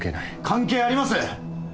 関係あります！